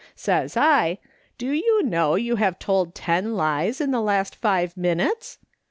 Says I :' Do you know you have told ten lies in the last five minutes